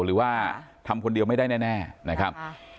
หรือว่าทำคนเดียวไม่ได้แน่นะครับ